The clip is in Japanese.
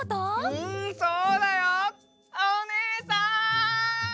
うんそうだよ。おねえさん！